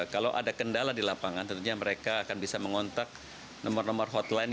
kalau ada kendala di lapangan tentunya mereka akan bisa mengontak nomor nomor hotline